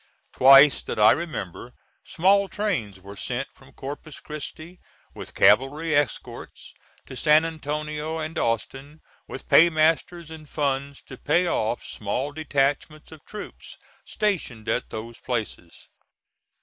Twice, that I remember, small trains were sent from Corpus Christi, with cavalry escorts, to San Antonio and Austin, with paymasters and funds to pay off small detachments of troops stationed at those places.